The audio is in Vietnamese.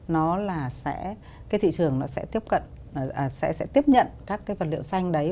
nó là sẽ cái thị trường nó sẽ tiếp cận sẽ tiếp nhận các cái vật liệu xanh đấy